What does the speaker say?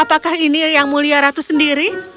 apakah ini yang mulia ratu sendiri